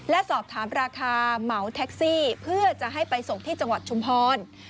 และสอบถามราคาเหมาแท็กซี่เพื่อจะให้ไปส่งที่จังหวัดชุมพร